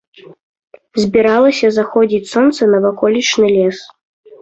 Збіралася заходзіць сонца на ваколічны лес.